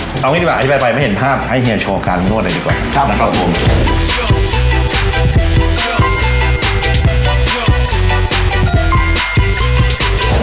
เอาอย่างงี้ดีกว่าไอ้ไพ่ไปมาเห็นภาพให้เฮียโชว์การนวดได้ดีกว่าครับนะครับผม